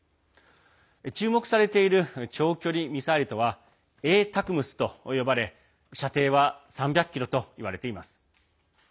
注目されている長距離ミサイルとは「ＡＴＡＣＭＳ」と呼ばれ射程は３００ｋｍといわれています。